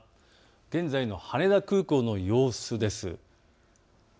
現在の羽田空港の様子です。